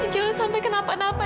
jangan sampai kenapa napa